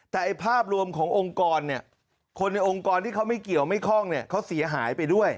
แต่ภาพรวมขององค์กรเนี่ยคนในองค์กรที่เขาไม่เกี่ยวไม่คล่องเนี่ยเขาเสียหายไปด้วย